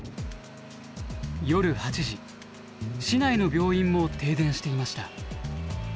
夜８時市内の病院も停電していました。